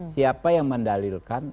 siapa yang mendalilkan